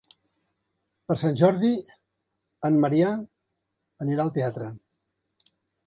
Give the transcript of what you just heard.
Per Sant Jordi en Maria anirà al teatre.